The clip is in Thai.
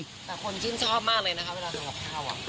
แต่คนชื่นชอบมากเลยนะคะเวลาทำกับข้าว